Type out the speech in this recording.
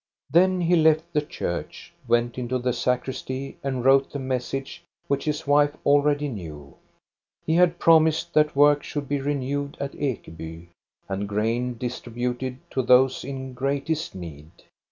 Then he left the church, went into the sacristy, and wrote the message which his wife already knew. He had promised that work should be renewed at Ekeby, and grain distributed to those in greatest need.